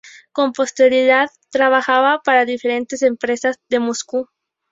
Con posterioridad trabajaría para diferentes empresas de Moscú.